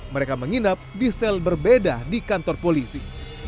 mereka menginap di sel berbeda di kantor polisi